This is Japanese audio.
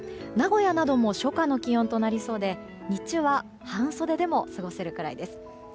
名古屋なども初夏の気温となりそうで日中は半袖でも過ごせるくらいです。